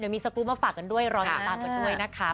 เดี๋ยวมีสปู๊บมาฝากกันด้วยรอติดตามกันด้วยนะคะ